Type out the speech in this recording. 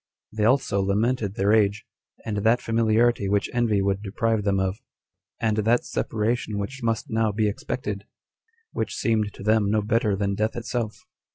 They also lamented their age, and that familiarity which envy would deprive them of, and that separation which must now be expected, which seemed to them no better than death itself.